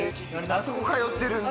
あそこ通ってるんだ。